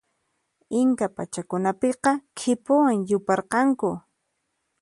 Inca pachakunapiqa khipuwan yuparqanku.